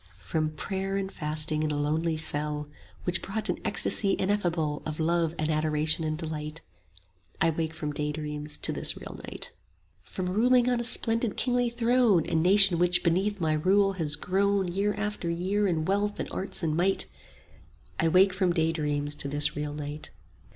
From prayer and fasting in a lonely cell, 25 Which brought an ecstasy ineffable Of love and adoration and delight: I wake from daydreams to this real night. From ruling on a splendid kingly throne A nation which beneath my rule has grown 30 Year after year in wealth and arts and might: I wake from daydreams to this real night.